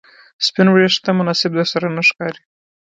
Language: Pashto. سپین ویښته مناسب درسره نه ښکاري